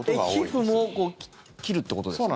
皮膚も切るっていうことですか？